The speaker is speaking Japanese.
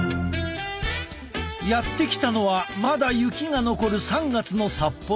やって来たのはまだ雪が残る３月の札幌。